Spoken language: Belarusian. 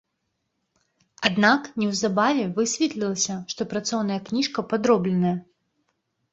Аднак неўзабаве высветлілася, што працоўная кніжка падробленая.